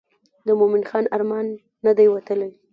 د مومن خان ارمان نه دی وتلی.